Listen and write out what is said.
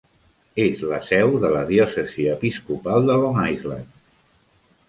És la seu de la diòcesi episcopal de Long Island.